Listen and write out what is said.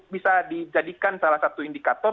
bisa dijadikan salah satu indikator